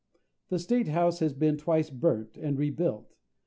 The State House has been twice burnt, and rebuilt.